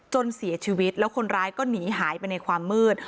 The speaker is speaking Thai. จนเสียชีวิตแล้วคนร้ายก็หนีหายไปในความมืด